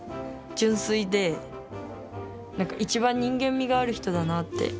純粋で、なんか一番人間味がある人だなって。